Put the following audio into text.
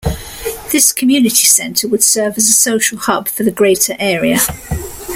This community centre would serve as a social hub for the greater area.